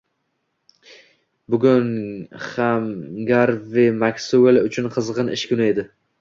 Bugun ham Garvi Maksuel uchun qizg`in ish kuni edi